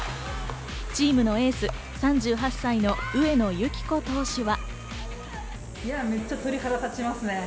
チームのエース・３８歳の上野由岐子投手は。